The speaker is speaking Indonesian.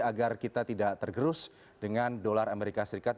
agar kita tidak tergerus dengan dolar amerika serikat